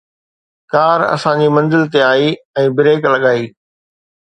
ڪار اسان جي منزل تي آئي ۽ بريڪ لڳائي